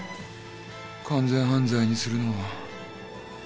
完全犯罪にするのは。